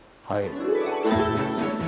はい。